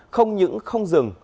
không những không dừng